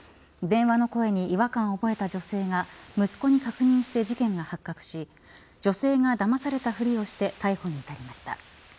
電話の声に違和感を覚えた女性が息子に確認して事件が発覚し女性がだまされたふりをして逮捕に至りました。